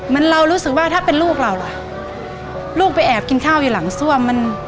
มันเรารู้สึกว่าถ้าเป็นลูกเราล่ะลูกไปแอบกินข้าวอยู่หลังซ่วมมัน